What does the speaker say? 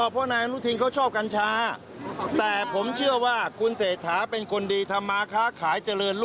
ไม่มีครับต้องอยู่กับการควบคุมดูแลของแพทย์ผู้เชี่ยวชาญเท่านั้นครับ